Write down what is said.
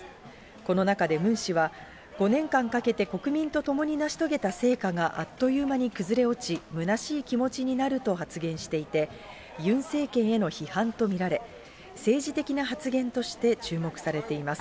この中でムン氏は、５年間かけて国民とともに成し遂げた成果があっという間に崩れ落ち、むなしい気持ちになると発言していて、ユン政権への批判と見られ、政治的な発言として注目されています。